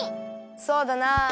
そうだなあ。